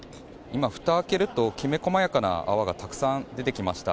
今、ふたを開けるときめ細やかな泡がたくさん出てきました。